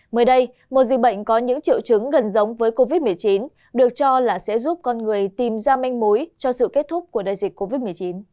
mới đây một di bệnh có những triệu chứng gần giống với covid một mươi chín được cho là sẽ giúp con người tìm ra manh mối cho sự kết thúc của đại dịch covid một mươi chín